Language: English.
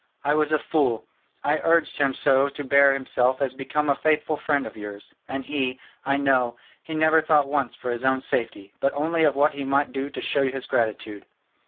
I was a fool: I urged him so to bear himself as became a faithful friend of yours, and he, I know, he never thought once of his own safety, but only of what he might do to show his gratitude.